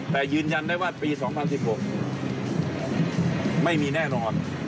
แต่ยืนยันได้ว่าปี๒๐๑๖ไม่มีแน่นอน